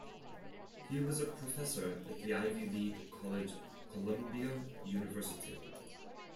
He was a professor at the Ivy League college Columbia University.